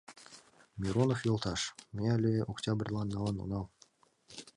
Миронов йолташ... ме але октябрьлан налын онал...